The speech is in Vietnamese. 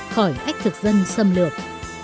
khỏi ách thực dân xâm lược